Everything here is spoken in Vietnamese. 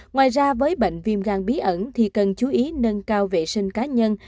ngoài ra với bệnh viêm gan bí ẩn thì cần chú ý nâng cao vệ sinh cá nhân